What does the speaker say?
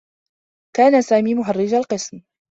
كان سامي مهرّج القسم.